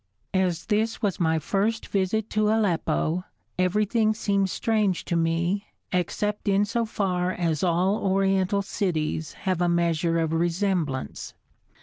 As this was my first visit to Aleppo, everything seemed strange to me, except in so far as all oriental cities have a measure of resemblance.